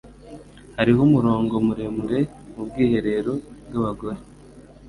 Hariho umurongo muremure mubwiherero bwabagore.